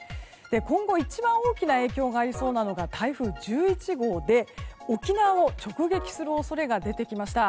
今後、一番大きな影響がありそうなのが台風１１号で沖縄を直撃する恐れが出てきました。